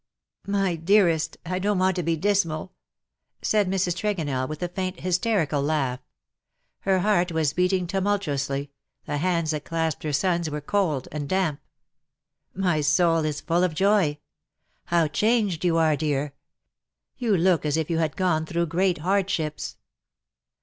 " My dearest, I dont want to be dismal," said Mrs. Tregonell, with a faint hysterical laugh. Her heart was beating tnmultuously, the hands that clasped her son's were cold and damp. " My soul is full of joy. How changed you are dear ! You look as if you had gone through great hardships."